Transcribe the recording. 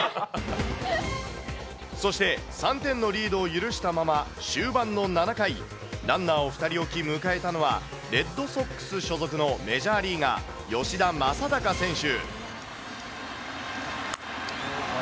そして、３点のリードを許したまま、終盤の７回、ランナーを２人置き、迎えたのは、レッドソックス所属のメジャーリーガー、吉田正尚選手。